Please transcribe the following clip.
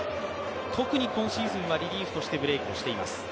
特に今シーズンはリリーフとしてブレイクしています。